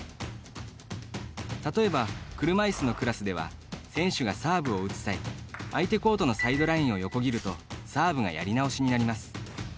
例えば、車いすのクラスでは選手がサーブを打つ際相手コートのサイドラインを横切るとサーブがやり直しになります。